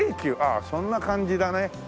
ああそんな感じだね。